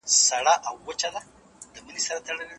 د ټولني وګړي بايد کليشه يي او تپلي کتابونه ونه لولي.